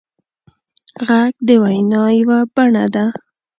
غږ د وینا یوه بڼه ده